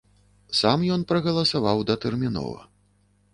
Сам ён прагаласаваў датэрмінова.